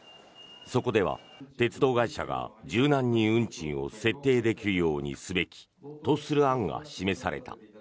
そこでは鉄道会社が柔軟に運賃を設定できるようにすべきとする案が示された。